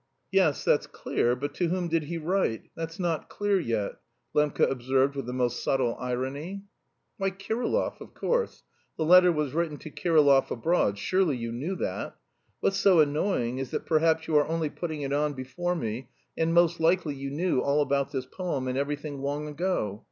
"Yes, that's clear, but to whom did he write? That's not clear yet," Lembke observed with the most subtle irony. "Why, Kirillov, of course; the letter was written to Kirillov abroad.... Surely you knew that? What's so annoying is that perhaps you are only putting it on before me, and most likely you knew all about this poem and everything long ago!